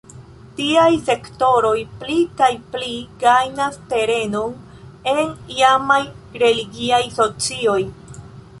Tiaj sektoroj pli kaj pli gajnas terenon en iamaj religiaj socioj.